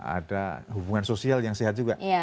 ada hubungan sosial yang sehat juga